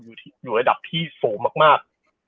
อยู่ระดับที่สูงมาก